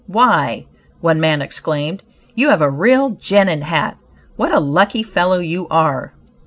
"Why," one man exclaimed, "you have a real 'Genin' hat; what a lucky fellow you are."